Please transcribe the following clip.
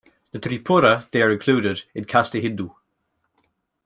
In Tripura they are included in Caste Hindu.